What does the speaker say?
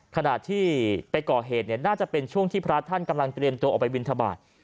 ขณะที่ไปก่อเหตุเนี่ยน่าจะเป็นช่วงที่พระท่านกำลังเตรียมตัวออกไปบินทบาท